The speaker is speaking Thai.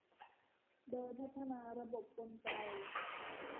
โดยพัฒนาระบบกลไก